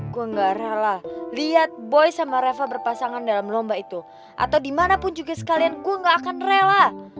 gue gak rela lihat boy sama reva berpasangan dalam lomba itu atau dimanapun juga sekalian gue gak akan rela